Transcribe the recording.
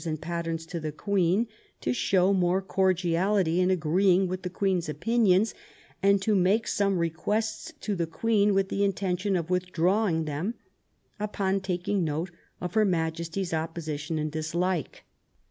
277 and patterns " to the Queen ; to show more cordiality in agreeing with the Queen's opinions ; to make some requests to the Queen with the intention of with drawing them upon taking note of Her Majesty's opposition and dislike